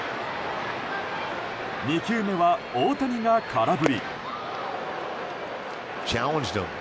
２球目は大谷が空振り。